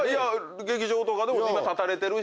劇場とかでも今立たれてるし。